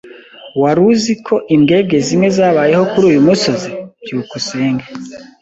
Wari uzi ko imbwebwe zimwe zabayeho kuri uyu musozi? byukusenge